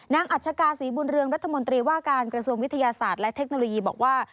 อัชกาศรีบุญเรืองรัฐมนตรีว่าการกระทรวงวิทยาศาสตร์และเทคโนโลยีบอกว่า